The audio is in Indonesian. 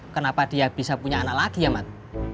kenapa dia bisa punya anak lagi ya mas